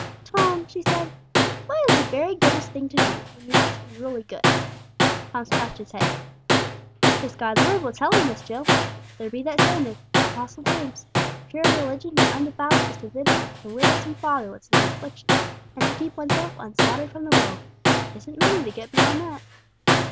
"Tom," she said, "what is the very goodest thing to do when you want to be really good?" Tom scratched his head. "'Tis God's Word will tell 'ee, Miss Jill. There be that sayin' of Apostle James 'Pure religion an' undefiled is to visit the widows and fatherless in their affliction, and to keep oneself unspotted from the world.' 'Tisn't many that get beyond that!"